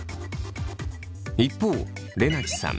一方れなちさん